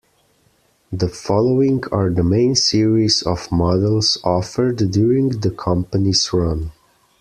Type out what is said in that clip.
The following are the main series of models offered during the company's run.